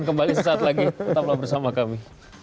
kembali sesaat lagi tetaplah bersama kami